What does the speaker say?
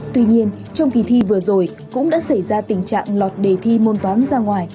tuy nhiên trong kỳ thi vừa rồi cũng đã xảy ra tình trạng lọt đề thi môn toán ra ngoài